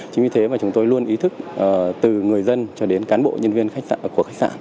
chính vì thế mà chúng tôi luôn ý thức từ người dân cho đến cán bộ nhân viên của khách sạn